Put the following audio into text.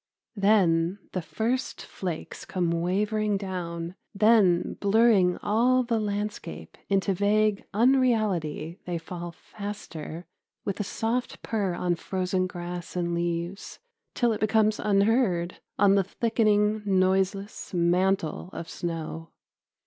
Then the first flakes come wavering down, then blurring all the landscape into vague unreality they fall faster, with a soft purr on frozen grass and leaves till it becomes unheard on the thickening noiseless mantle of snow.